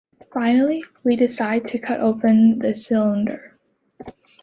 Finally...we decided to cut open the cylinder.